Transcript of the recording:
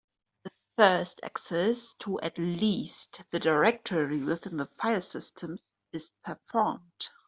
The first access to at least the directory within the filesystem is performed.